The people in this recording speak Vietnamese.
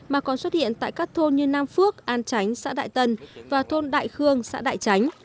mà còn xuất hiện tại các thôn như nam phước an tránh xã đại tân và thôn đại khương xã đại chánh